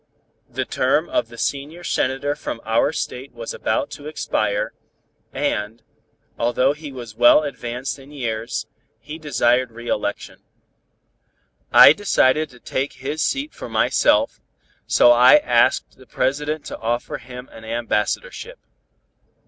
The term of the senior Senator from our State was about to expire, and, although he was well advanced in years, he desired re election. I decided to take his seat for myself, so I asked the President to offer him an ambassadorship.